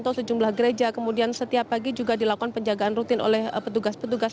atau sejumlah gereja kemudian setiap pagi juga dilakukan penjagaan rutin oleh petugas petugas